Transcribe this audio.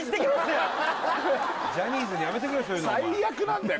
ジャニーズにやめてくれそういうの最悪なんだよ